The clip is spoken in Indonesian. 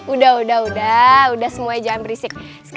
udah udah udah semuanya jangan berisik